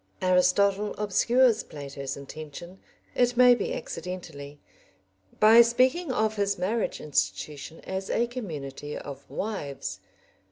Aristotle obscures Plato's intention, it may be accidentally, by speaking of his marriage institution as a community of wives.